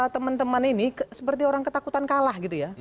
teman teman ini seperti orang ketakutan kalah gitu ya